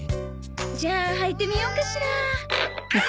じゃあ履いてみようかしら？